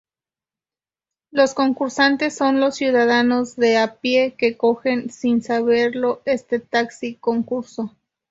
Los concursantes son los ciudadanos de a pie que cogen sin saberlo este "taxi-concurso".